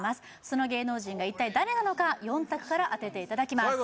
その芸能人が一体誰なのか４択から当てていただきます